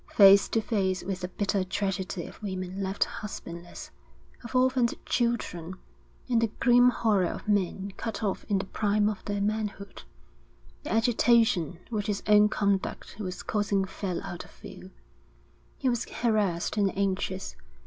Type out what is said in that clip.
Face to face with the bitter tragedy of women left husbandless, of orphaned children, and the grim horror of men cut off in the prime of their manhood, the agitation which his own conduct was causing fell out of view. He was harassed and anxious.